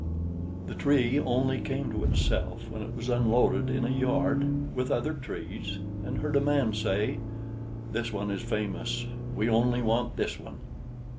The Tree only came to itself when it was unloaded in a yard, with other trees, and heard a man say: "This one is famous; we only want this one!"